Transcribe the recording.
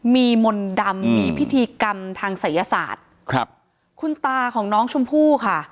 มีมนต์ดำมีพิธีกรรมทางศัยศาสตร์ครับคุณตาของน้องชมพู่ค่ะ